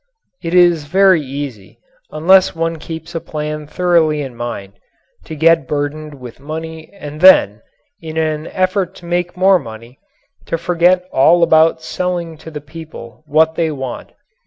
It is very easy, unless one keeps a plan thoroughly in mind, to get burdened with money and then, in an effort to make more money, to forget all about selling to the people what they want.